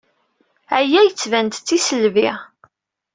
Aya yettban-d d tisselbi.